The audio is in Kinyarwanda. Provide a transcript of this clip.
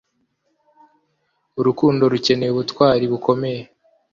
urukundo rukeneye ubutwari bukomeye.